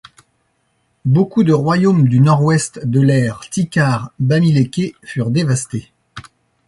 Beaucoup de royaumes du Nord-ouest de l'aire Tikar-Bamiléké furent dévastées.